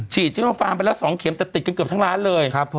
ฉีดซิโนฟาร์มไปแล้ว๒เข็มแต่ติดกันเกือบทั้งร้านเลย